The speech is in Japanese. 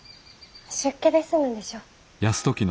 出家で済むんでしょう。